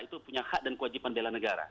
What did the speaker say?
itu punya hak dan kewajiban bela negara